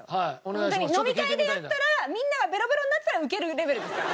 ホントに飲み会でやったらみんながベロベロになってたらウケるレベルですよ。